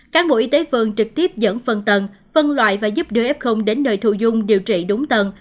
cán bộ y tế phương trực tiếp dẫn phân tần phân loại và giúp đưa f đến nơi thụ dung điều trị đúng tần